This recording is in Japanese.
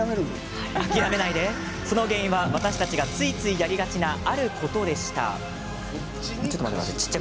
その原因は私たちがついついやりがちなあることでした。